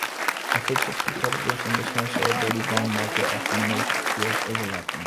Efforts of competitors in the small celebrity bond market often move towards overlapping.